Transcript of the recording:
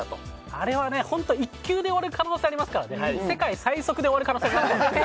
あれは本当に１球で終わる可能性がありますので世界最速で終わる可能性もありますよ。